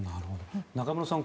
中室さん